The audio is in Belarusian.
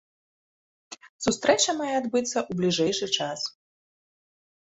Сустрэча мае адбыцца ў бліжэйшы час.